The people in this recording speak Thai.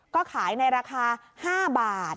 ก็ขายในราคา๕บาท